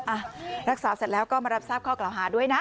อ่ะรักษาเสร็จแล้วก็มารับทราบข้อกล่าวหาด้วยนะ